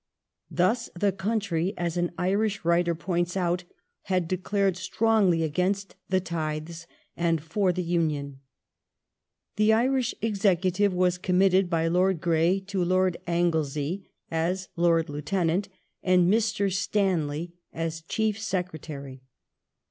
Thus the country, as an Irish writer points out, had declared strongly against the tithes, and for the Union. ^ The Irish Executive was committed by Lord Grey to Lord Anglesey (as Lord Lieutenant) and Mr. Stanley as Chief Secretary.